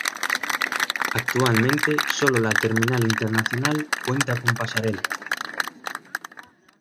Actualmente, sólo la terminal internacional cuenta con pasarela.